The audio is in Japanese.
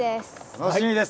楽しみです。